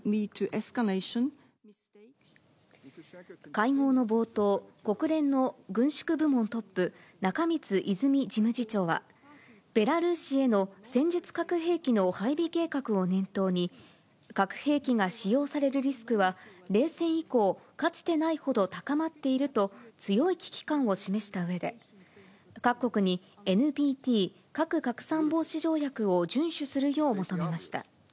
会合の冒頭、国連の軍縮部門トップ、中満泉事務次長は、ベラルーシへの戦術核兵器の配備計画を念頭に、核兵器が使用されるリスクは冷戦以降、かつてないほど高まっていると、強い危機感を示したうえで、各国にＮＰＴ・核拡散防止条約を順守するよう求めました。